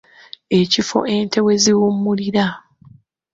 Ekifo ente we ziwummulira.